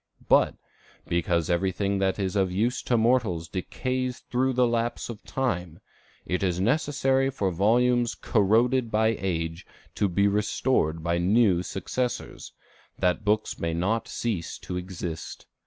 But, because everything that is of use to mortals decays through lapse of time, it is necessary for volumes corroded by age to be restored by new successors, that books may not cease to exist.